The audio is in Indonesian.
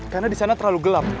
karena di sana terlalu gelap